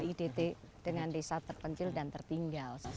idt dengan desa terpencil dan tertinggal